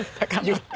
言った！